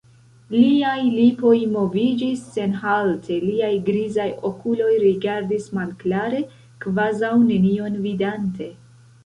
Liaj lipoj moviĝis senhalte, liaj grizaj okuloj rigardis malklare, kvazaŭ nenion vidante.